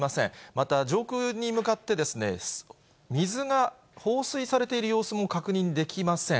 また上空に向かって、水が放水されている様子も確認できません。